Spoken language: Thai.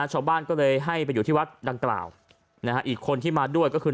ชาวบ้านก็เลยให้ไปอยู่ที่วัดดังกล่าวอีกคนที่มาด้วยก็คือ